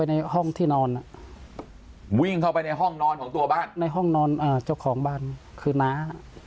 ในห้องนอนของตัวบ้านในห้องนอนเจ้าของบ้านคือน้า